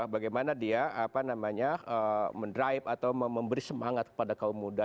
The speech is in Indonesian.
bagaimana dia mendrive atau memberi semangat kepada kaum muda